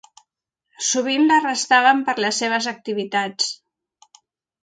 Sovint l'arrestaven per les seves activitats.